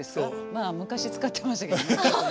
まあ昔使ってましたけどね。